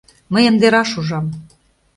Мый ынде раш ужам.